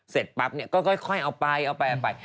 เสร็จปั๊บก็ค่อยเอาไป